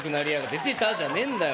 「出てた？」じゃねえんだよ